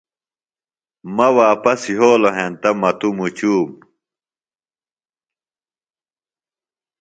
مہ واپس یھولوۡ ہینتہ مہ توۡ مُچوم